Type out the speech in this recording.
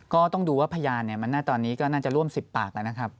ก็ต้องดูว่าพยานตอนนี้ก็น่าจะร่วม๑๐ปากแล้วนะครับ